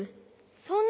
そんな！